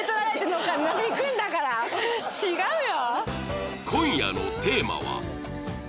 違うよ！